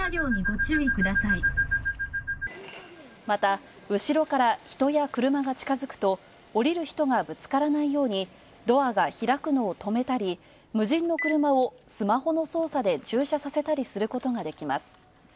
また、後ろから人や車が近づくと降りる人がぶつからないようにドアが開くのを止めたり無人の車をスマホの操作で駐車させたりすることができます。